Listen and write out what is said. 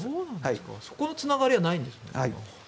そこのつながりはないんですね。